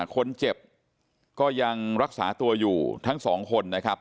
คนเจ็บก็ยังรักษาตัวอยู่ทั้งสองคนนะครับ